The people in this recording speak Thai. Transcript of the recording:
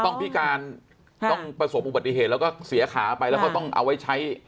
พิการต้องประสบอุบัติเหตุแล้วก็เสียขาไปแล้วก็ต้องเอาไว้ใช้